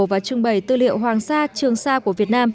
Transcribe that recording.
và trưng bày tư liệu hoàng sa trường sa của việt nam